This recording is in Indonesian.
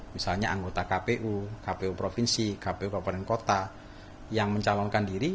misalnya anggota kpu kpu provinsi kpu kabupaten kota yang mencalonkan diri